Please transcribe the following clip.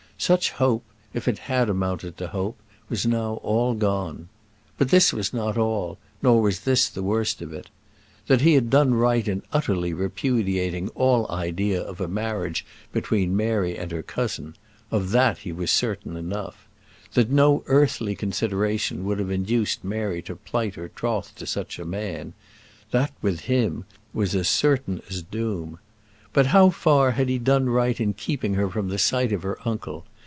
Such hope, if it had amounted to hope, was now all gone. But this was not all, nor was this the worst of it. That he had done right in utterly repudiating all idea of a marriage between Mary and her cousin of that he was certain enough; that no earthly consideration would have induced Mary to plight her troth to such a man that, with him, was as certain as doom. But how far had he done right in keeping her from the sight of her uncle?